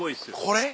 これ？